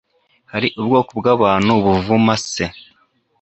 hari ubwoko bw'abantu buvuma se